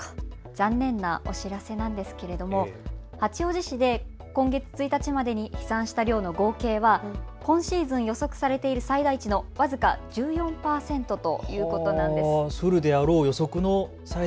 残念なお知らせなんですけれども八王子市で今月１日までに飛散した量の合計は今シーズン予測されている最大値の僅か１４％ということなんです。